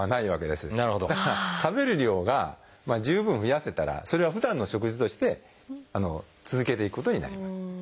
だから食べる量が十分増やせたらそれはふだんの食事として続けていくことになります。